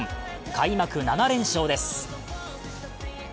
開幕７連勝です。